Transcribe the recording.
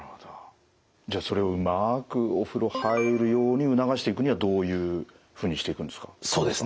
じゃあそれをうまくお風呂入るように促していくにはどういうふうにしていくんですか？